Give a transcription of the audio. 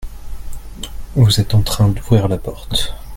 Vous êtes en train d'ouvrir la porte.